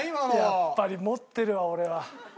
やっぱり持ってるわ俺は。